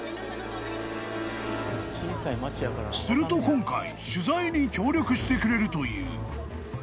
［すると今回取材に協力してくれるという］